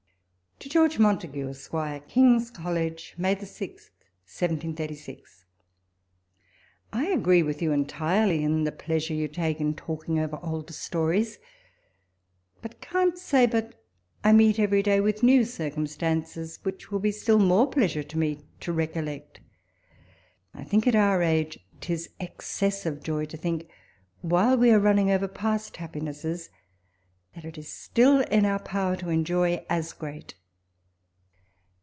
To George Montague, Esq. King's College, May 6, 1756. I AGREE with you entirely in the pleasure you take in talking over old stories, but can't say but I meet every day with new circumsta, nces, which will be still more pleasure to me to recollect. I think at our age 'tis excess of joy, to think, while we are running over past happinesses, that it is still in our power to enjoy as great.